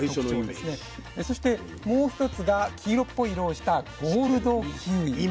そしてもう一つが黄色っぽい色をしたゴールドキウイ。